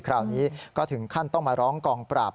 คราวนี้ก็ถึงขั้นต้องมาร้องกองปราบ